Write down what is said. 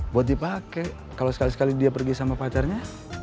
buat dipake kalau sekali kali dia pergi sama pacarnya